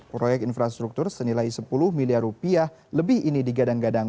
proyek infrastruktur senilai sepuluh miliar rupiah lebih ini digadang gadang